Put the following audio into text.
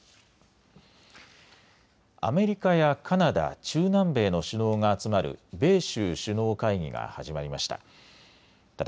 アメリカやカナダ、中南米の首脳が集まる米州首脳会議が始まりました。